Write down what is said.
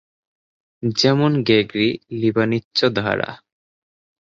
যেমন গ্রেগরি-লিবনিৎজ ধারা।